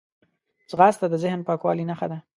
ځغاسته د ذهن پاکوالي نښه ده